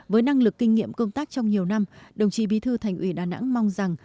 với năng lực kinh nghiệm công tác trong nhiều năm đồng chí bí thư thành ủy đà nẵng mong rằng